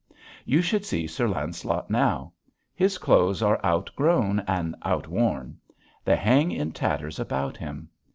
You should see Sir Lancelot now. His clothes are outgrown and outworn. They hang in tatters about him.